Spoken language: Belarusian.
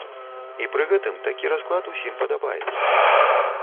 І пры гэтым такі расклад усім падабаецца.